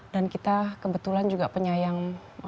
dan kita kebetulan juga penyayang